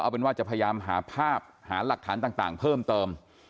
ภาพหาหลักฐานต่างเพิ่มเติม